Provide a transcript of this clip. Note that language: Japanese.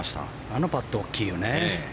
あのパット大きいよね。